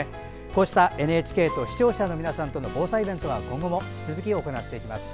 こうしたＮＨＫと視聴者の皆さんとの防災イベントは今後も引き続き行っていきます。